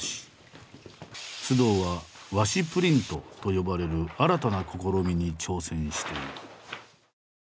須藤は和紙プリントと呼ばれる新たな試みに挑戦している。